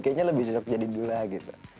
kayaknya lebih cocok jadi dula gitu